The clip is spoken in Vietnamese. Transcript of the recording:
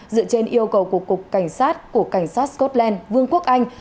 dựa trên yêu cầu của cục cảnh sát của cảnh sát scotland vương quốc anh